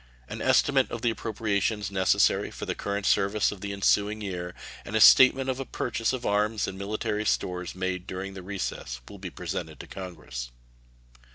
An estimate of the appropriations necessary for the current service of the ensuing year and a statement of a purchase of arms and military stores made during the recess will be presented to Congress.